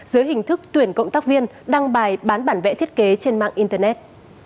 dưới hình thức tuyển cộng tác viên đăng bài bán bản vẽ thiết kế trên mạng internet